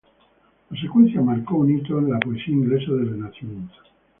La secuencia marcó un hito en la poesía inglesa del Renacimiento.